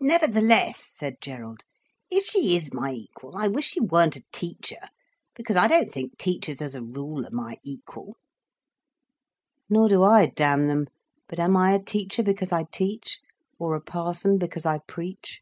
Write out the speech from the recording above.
"Nevertheless," said Gerald, "if she is my equal, I wish she weren't a teacher, because I don't think teachers as a rule are my equal." "Nor do I, damn them. But am I a teacher because I teach, or a parson because I preach?"